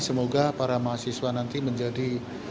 semoga para mahasiswa nanti menjadi